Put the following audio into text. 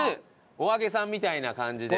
お揚げさんみたいな感じで？